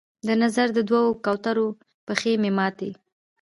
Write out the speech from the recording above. د نظر د دوو کوترو پښې مې ماتي